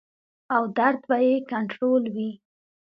او درد به ئې کنټرول وي -